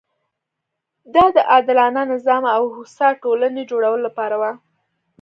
دا د عادلانه نظام او هوسا ټولنې جوړولو لپاره وه.